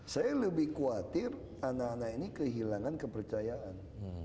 saya lebih khawatir anak anak ini kehilangan kepercayaan